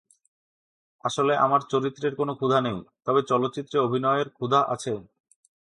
আসলে আমার চরিত্রের কোনো ক্ষুধা নেই, তবে চলচ্চিত্রে অভিনয়ের ক্ষুধা আছে।